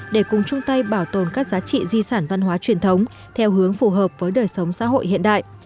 để cùng chung tay bảo tồn các giá trị di sản văn hóa truyền thống theo hướng phù hợp với đời sống xã hội hiện đại